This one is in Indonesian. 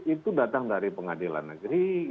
itu datang dari pengadilan negeri